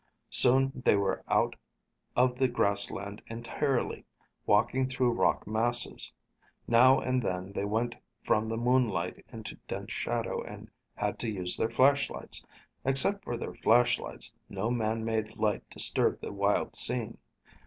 Soon they were out of the grassland entirely, walking through rock masses. Now and then they went from the moonlight into dense shadow and had to use their flashlights. Except for their flashlights, no man made light disturbed the wild scene.